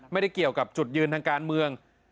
ไม่ได้เกี่ยวกับจุดยืนทางการเมือง